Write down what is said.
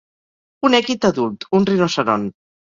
Un èquid adult, un rinoceront.